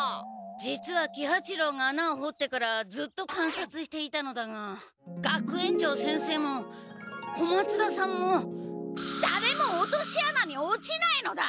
実は喜八郎が穴をほってからずっとかんさつしていたのだが学園長先生も小松田さんもだれも落とし穴に落ちないのだ！